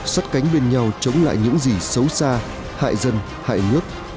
sắt cánh bên nhau chống lại những gì xấu xa hại dân hại nước